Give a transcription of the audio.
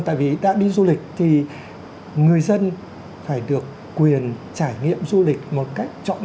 tại vì đã đi du lịch thì người dân phải được quyền trải nghiệm du lịch một cách trọn đẹp nhất